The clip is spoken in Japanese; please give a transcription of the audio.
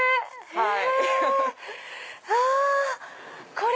はい。